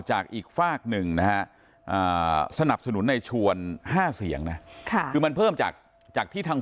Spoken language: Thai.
จากอีกฝากหนึ่งนะฮะสนับสนุนในชวน๕เสียงนะคือมันเพิ่มจากที่ทาง